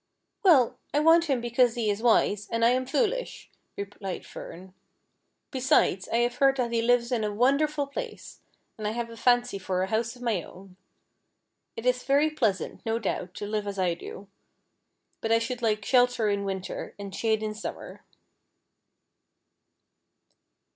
" Well, I want him because he is wise, and I am foolish," replied Fern ;" besides, I have heard that he lives in a wonderful place, and I have a fancy for a house of my own. It is very pleasant, no doubt, to live as I do ; but I should like shelter in winter, and shade in summer."